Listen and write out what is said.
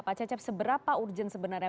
pak cecep seberapa urgent sebenarnya